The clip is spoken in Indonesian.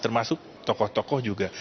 termasuk tokoh tokoh juga